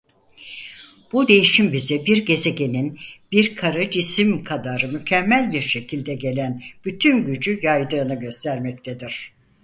Bu değişim bize bir gezegenin bir kara cisim kadar mükemmel bir şekilde gelen bütün gücü yaydığını göstermektedir.